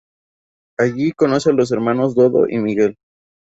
Allí conoce a los hermanos Dodo y Miguel.